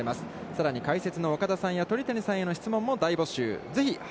さらに、解説の岡田彰布さんや鳥谷敬さんへの質問も大募集。